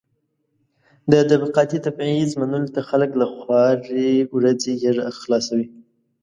د طبقاتي تبعيض منلو ته خلک له خوارې ورځې غېږه خلاصوي.